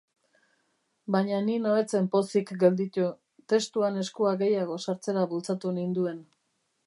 Baina Nino ez zen pozik gelditu, testuan eskua gehiago sartzera bultzatu ninduen.